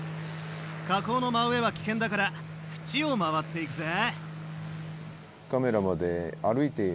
火口の真上は危険だから縁を回っていくぜ。